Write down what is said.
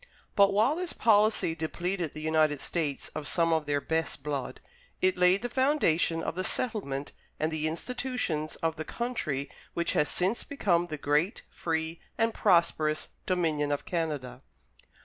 But while this policy depleted the United States of some of their best blood, it laid the foundation of the settlement and the institutions of the country which has since become the great, free, and prosperous Dominion of Canada.